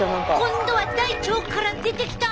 今度は大腸から出てきた！